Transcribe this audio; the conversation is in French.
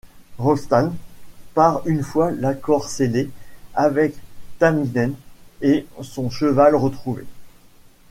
Rostam part une fois l'accord scellé avec Tahmineh et son cheval retrouvé.